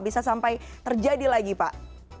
bisa sampai terjadi lagi pak